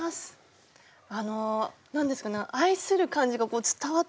あの何ですかね愛する感じがこう伝わってくる。